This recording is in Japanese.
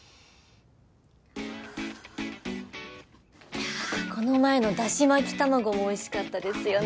いやあこの前のだし巻き卵もおいしかったですよね。